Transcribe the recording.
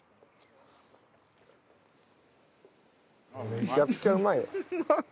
めちゃくちゃうまいわ。